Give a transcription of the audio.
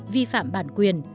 vi phạm bản quyền